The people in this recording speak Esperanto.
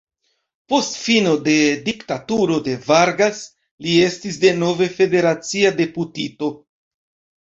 Post fino de diktaturo de Vargas li estis denove federacia deputito.